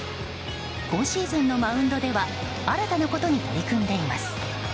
今シーズンのマウンドでは新たなことに取り組んでいます。